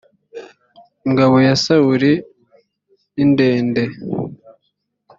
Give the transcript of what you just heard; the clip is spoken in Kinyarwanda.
ingabo ya sawuli nindende.